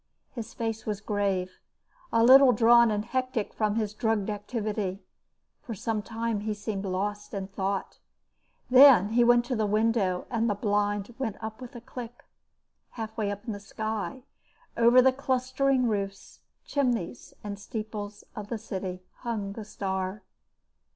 His face was grave, a little drawn and hectic from his drugged activity. For some time he seemed lost in thought. Then he went to the window, and the blind went up with a click. Half way up the sky, over the clustering roofs, chimneys and steeples of the city, hung the star.